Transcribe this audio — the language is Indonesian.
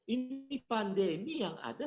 ini pandemi yang ada